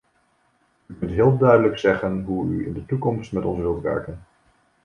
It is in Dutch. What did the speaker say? U kunt heel duidelijk zeggen hoe u in de toekomst met ons wilt werken.